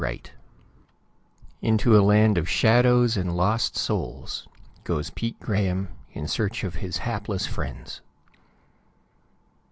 _]++| Into a land of shadows and lost || souls goes Pete Grahame in search || of his hapless friends.